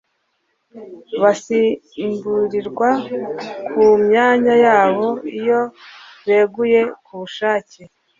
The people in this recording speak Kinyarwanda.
basimbuirwa ku myanya yabo iyo beguye ku bushake